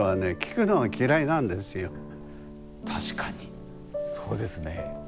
確かにそうですね。